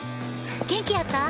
元気やった？